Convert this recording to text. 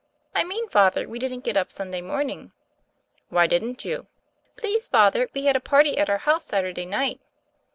"I mean. Father, we didn't get up Sunday morning." "Why didn't you?" "Please, Father, we had a party at our house Saturday night."